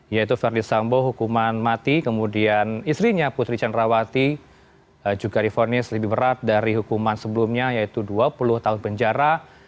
yaitu verdi sambo hukuman mati kemudian istrinya putri candrawati juga difonis lebih berat dari hukuman sebelumnya yaitu dua puluh tahun penjara